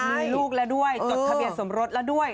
มีลูกแล้วด้วยจดทะเบียนสมรสแล้วด้วย